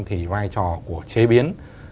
thì vai trò của chế biến